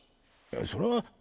それは。